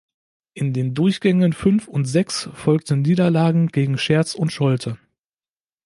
In den Durchgängen fünf und sechs folgten Niederlagen gegen Scherz und Scholte.